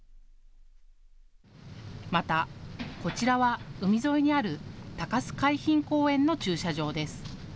また、こちらは海沿いにある高洲海浜公園の駐車場です。